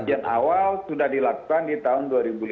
kajian awal sudah dilakukan di tahun dua ribu lima belas